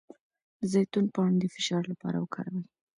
د زیتون پاڼې د فشار لپاره وکاروئ